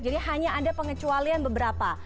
jadi hanya ada pengecualian beberapa